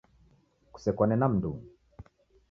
Kusekwane na mndungi